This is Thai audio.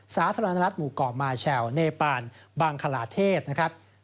สาธารณรัฐหมู่เกาะมาแชลเนปานบังคลาเทพนะครับ